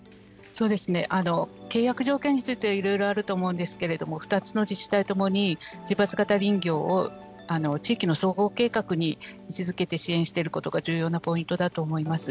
契約条件についてはいろいろあると思うんですけれども２つの自治体ともに自伐型林業を地域の総合計画に位置づけて支援していることが重要なポイントだと思います。